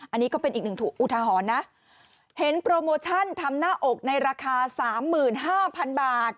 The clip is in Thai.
อันนี้ก็เป็นอีกหนึ่งอุทหรณ์นะเห็นโปรโมชั่นทำหน้าอกในราคาสามหมื่นห้าพันบาท